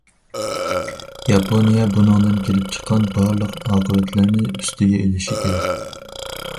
ياپونىيە بۇنىڭدىن كېلىپ چىققان بارلىق ئاقىۋەتلەرنى ئۈستىگە ئېلىشى كېرەك.